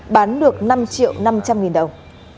bán được năm triệu năm trăm linh nghìn đồng